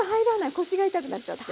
腰が痛くなっちゃって。